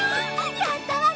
やったわね！